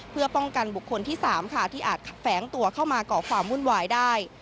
เพื่อป้องกันบุคคลที่๓ค่ะที่อาจแฝงตัวเข้ามาก่อความวุ่นวายได้